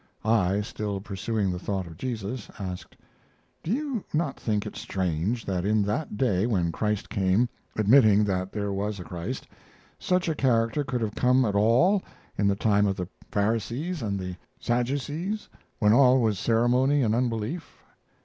I, still pursuing the thought of Jesus, asked: "Do you not think it strange that in that day when Christ came, admitting that there was a Christ, such a character could have come at all in the time of the Pharisees and the Sadducees, when all was ceremony and unbelief?"